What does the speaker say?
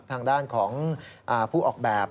ทางด้านของผู้ออกแบบ